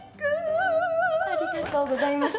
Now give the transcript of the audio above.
ありがとうございます。